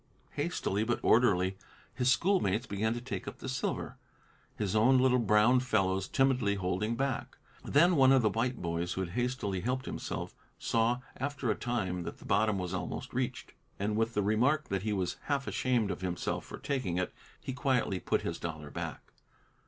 Hastily but orderly, his schoolmates began to take up the silver, his own little brown fellows timidly holding back. Then one of the white boys who had hastily helped himself saw, after a time, that the bottom was almost reached, and, with the remark that he was half ashamed of himself for taking it, he quietly put his dollar back.